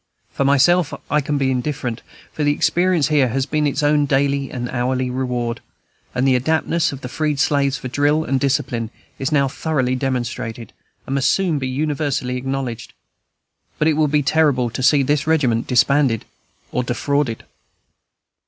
For myself I can be indifferent, for the experience here has been its own daily and hourly reward; and the adaptedness of the freed slaves for drill and discipline is now thoroughly demonstrated, and must soon be universally acknowledged. But it would be terrible to see this regiment disbanded or defrauded.